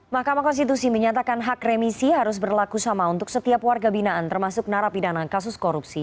mahkamah konstitusi menyatakan hak remisi harus berlaku sama untuk setiap warga binaan termasuk narapidana kasus korupsi